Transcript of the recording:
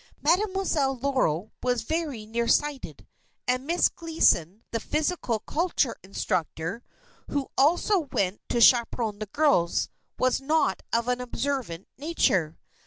Mademoiselle Loro was very near sighted, and Miss Gleason, the physical culture instructor, who also went to chaperon the girls, was not of an observant nature.